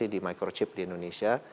yang mau investasi di microchip di indonesia